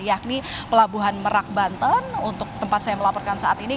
yakni pelabuhan merak banten untuk tempat saya melaporkan saat ini